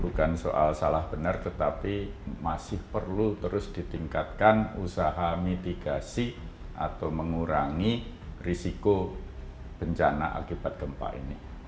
bukan soal salah benar tetapi masih perlu terus ditingkatkan usaha mitigasi atau mengurangi risiko bencana akibat gempa ini